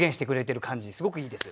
すごくいいですよね。